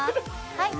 はい